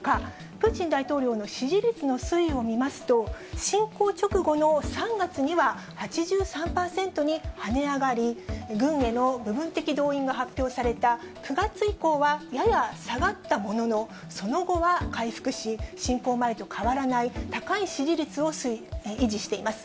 プーチン大統領の支持率の推移を見ますと、侵攻直後の３月には８３％に跳ね上がり、軍への部分的動員が発表された９月以降はやや下がったものの、その後は回復し、侵攻前と変わらない高い支持率を維持しています。